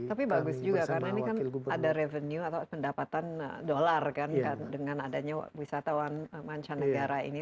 tapi bagus juga karena ini kan ada revenue atau pendapatan dolar kan dengan adanya wisatawan mancanegara ini